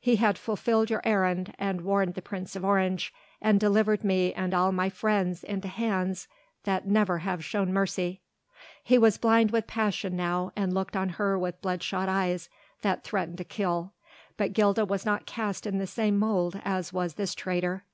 He had fulfilled your errand and warned the Prince of Orange and delivered me and all my friends into hands that never have known mercy." He was blind with passion now and looked on her with bloodshot eyes that threatened to kill. But Gilda was not cast in the same mould as was this traitor.